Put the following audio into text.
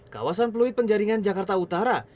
kawasan fluid penjaringan jakarta utara